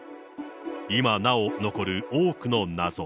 今なお残る多くの謎。